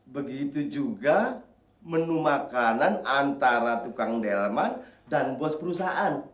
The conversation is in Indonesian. begitu juga menu makanan antara tukang delman dan bos perusahaan